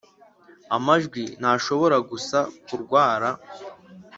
amajwi ntashobora gusa kurwara.